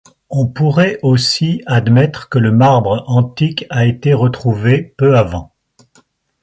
On pourrait aussi admettre que le marbre antique a été retrouvé peu avant.